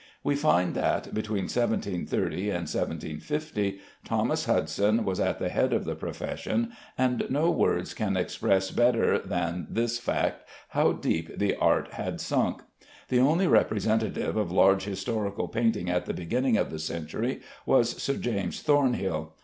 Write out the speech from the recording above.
We find that, between 1730 and 1750, Thomas Hudson was at the head of the profession, and no words can express better than this fact how deep the art had sunk. The only representative of large historical painting at the beginning of the century was Sir James Thornhill.